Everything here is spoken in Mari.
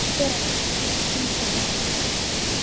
— Йӧра, шинчыже.